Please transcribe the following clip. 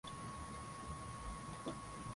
huku kujiuzulu huku kujiuzulu kunamaanisha nini hasa